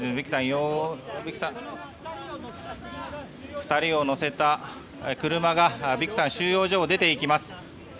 ２人を乗せた車がビクタン収容所を出ていきます。